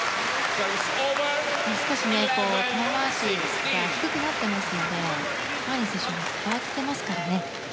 少し球筋が低くなっていますのでマリン選手、狙ってますからね。